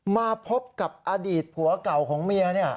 มาพบกับอดีตผัวเก่าของเมีย